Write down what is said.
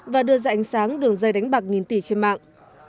và đưa ra ánh sáng đường dây đánh bạc nghìn tỷ trên mạng